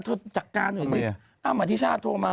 เอามาที่ชาติโทรมา